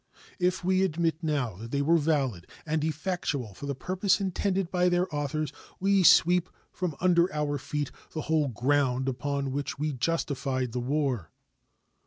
If we admit now that they were valid and effectual for the purpose intended by their authors, we sweep from under our feet the whole ground upon which we justified the war.